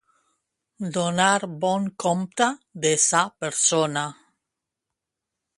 Donar bon compte de sa persona.